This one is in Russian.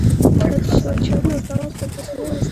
Аркадьич, очевидно устав от напряжения мысли.